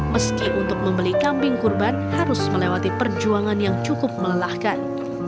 meski untuk membeli kambing kurban harus melewati perjuangan yang cukup melelahkan